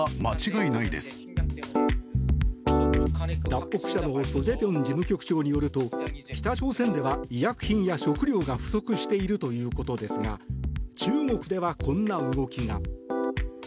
脱北者のソ・ジェピョン事務局長によると北朝鮮では医薬品や食料が不足しているということですが中国ではこんな動きが。